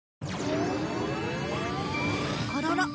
あらら。